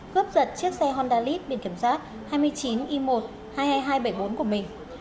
cướp giật chiếc xe hondalit biển kiểm soát hai mươi chín i một hai mươi hai nghìn hai trăm bảy mươi bốn của mình